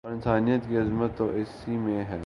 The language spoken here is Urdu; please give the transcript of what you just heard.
اور انسانیت کی عظمت تو اسی میں ہے